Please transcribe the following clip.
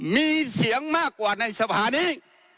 มีเสียงมากกว่าในสภานี้